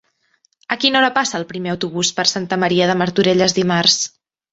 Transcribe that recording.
A quina hora passa el primer autobús per Santa Maria de Martorelles dimarts?